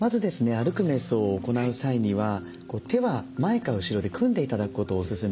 歩くめい想を行う際には手は前か後ろで組んで頂くことをおすすめします。